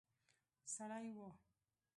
سړی وو.